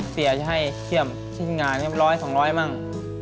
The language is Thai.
เสียจะให้เข้มที่งานร้อยสองร้อยมั่ง